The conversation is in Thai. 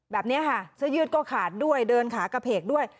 เสื้อยืดก็ขาดด้วยเดินขากระเพกด้วย